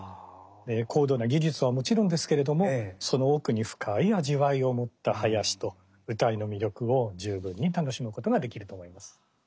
高度な技術はもちろんですけれどもその奥に深い味わいを持った囃子と謡の魅力を十分に楽しむことができると思います。